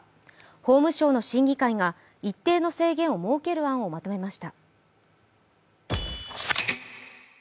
法務省の審議会が一定の制限を設ける案をまとめました。